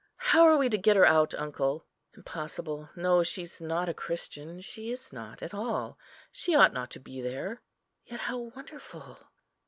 How are we to get her out, uncle? Impossible! no, she's not a Christian—she is not at all. She ought not to be there! Yet how wonderful!"